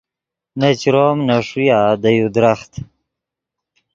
نے چروم نے ݰویا دے یو درخت